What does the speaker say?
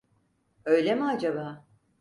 Öyle mi acaba?